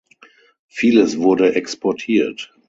Vieles wurde exportiert.